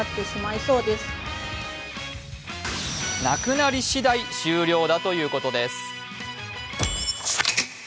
なくなり次第終了だということです。